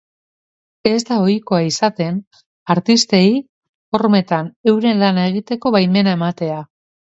Ez da ohikoa izaten artistei hormetan euren lana egiteko baimena ematea.